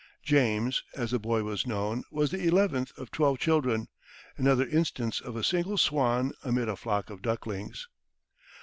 James, as the boy was known, was the eleventh of twelve children another instance of a single swan amid a flock of ducklings.